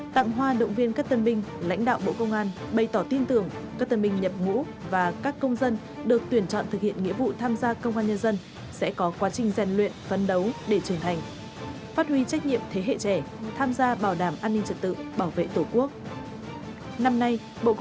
tặng hoa động viên các tân binh lãnh đạo bộ công an bày tỏ tin tưởng các tân binh nhập ngũ và các công dân được tuyển chọn thực hiện nghĩa vụ tham gia công an nhân dân sẽ có quá trình rèn luyện phấn đấu để trưởng thành phát huy trách nhiệm thế hệ trẻ tham gia bảo đảm an ninh trật tự bảo vệ tổ quốc